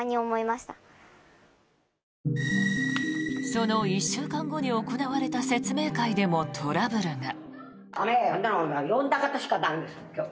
その１週間後に行われた説明会でもトラブルが。